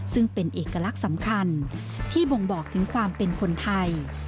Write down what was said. ซึ่งเป็นเอกลักษณ์สำคัญที่บ่งบอกถึงความเป็นคนไทย